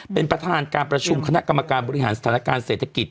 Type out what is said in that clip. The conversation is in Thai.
เป็นประธานการประชุมคณะกรรมการบริหารสถานการณ์เศรษฐกิจ